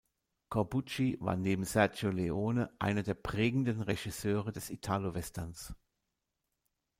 Corbucci war neben Sergio Leone einer der prägenden Regisseure des Italowesterns.